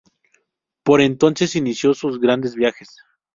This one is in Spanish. Por entonces inició sus grandes viajes.